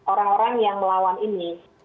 orang orang yang melawan ini